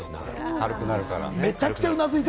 軽くなるから。